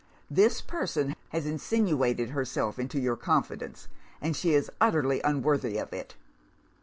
This person has insinuated herself into your confidence and she is utterly unworthy of it.